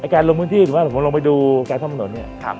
การลงมื้อที่ถ้าผมลงไปดูการทำหนดเนี่ย